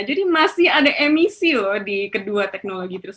jadi masih ada emisi loh